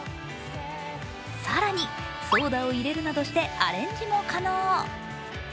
更に、ソーダを入れるなどしてアレンジも可能。